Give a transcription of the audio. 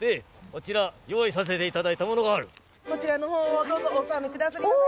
こちらの方をどうぞお納めくださりませ。